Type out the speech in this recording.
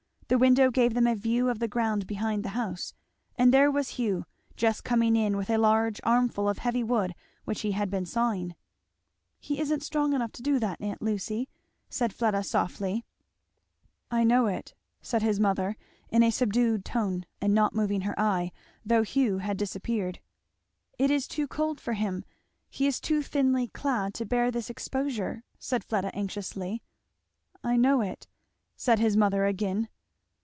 The window gave them a view of the ground behind the house; and there was Hugh, just coming in with a large armful of heavy wood which he had been sawing. "He isn't strong enough to do that, aunt Lucy," said Fleda softly. "I know it," said his mother in a subdued tone, and not moving her eye, though Hugh had disappeared. "It is too cold for him he is too thinly clad to bear this exposure," said Fleda anxiously. "I know it," said his mother again.